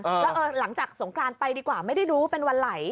แล้วเออหลังจากสงกรานไปดีกว่าไม่ได้รู้ว่าเป็นวันไหล